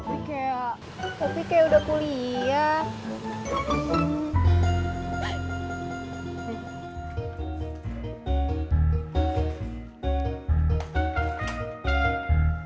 bobi kayaknya udah kuliah